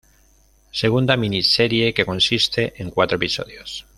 Segunda Mini- Serie que consiste en cuatro episodios.